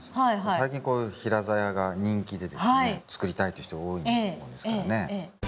最近こういう平ざやが人気でですね作りたいという人が多いもんですからね。